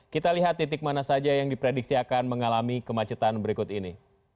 kita lihat titik mana saja yang diprediksi akan mengalami kemacetan berikut ini